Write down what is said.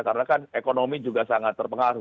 karena kan ekonomi juga sangat terpengaruh